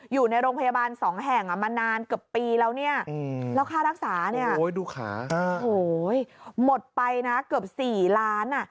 อยู่ในโรงพยาบาล๒แห่งมานานเกือบปีแล้วเนี่ยแล้วค่ารักษาเนี่ยดูขาโอ้โหหมดไปนะเกือบ๔ล้าน